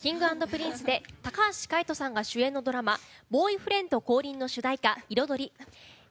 Ｋｉｎｇ＆Ｐｒｉｎｃｅで高橋海人さんが主演のドラマ「ボーイフレンド降臨！」の主題歌「彩り」。